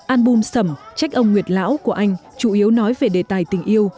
album sẩm trách ông nguyệt lão của anh chủ yếu nói về đề tài tình yêu